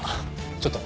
ちょっと。